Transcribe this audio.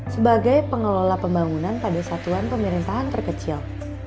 sebagai pengelola pembangunan pada satuan pemerintahan terkecil